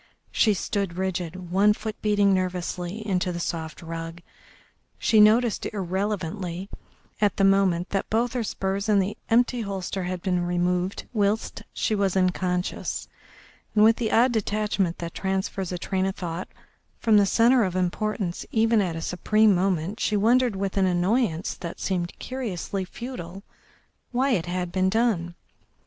She stood rigid, one foot beating nervously into the soft rug. She noticed irrelevantly at the moment that both her spurs and the empty holster had been removed whilst she was unconscious, and with the odd detachment that transfers a train of thought from the centre of importance even at a supreme moment, she wondered, with an annoyance that seemed curiously futile, why it had been done.